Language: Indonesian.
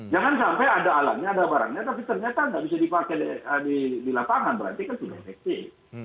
jangan sampai ada alatnya ada barangnya tapi ternyata nggak bisa dipakai di lapangan